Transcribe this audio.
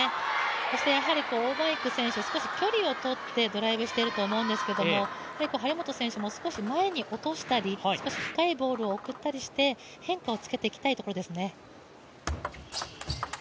王曼イク選手、少し距離をとってドライブしていると思うんですけれども、張本選手も少し前に落としたり少し高いボールを送ったりして変化をつけたいところですね。